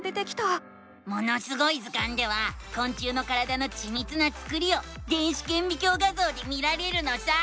「ものすごい図鑑」ではこん虫の体のちみつなつくりを電子けんびきょう画ぞうで見られるのさ！